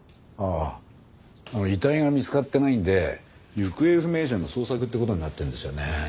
ああ遺体が見つかってないんで行方不明者の捜索って事になってるんですよね。